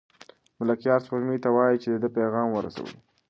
ملکیار سپوږمۍ ته وايي چې د ده پیغام ورسوي.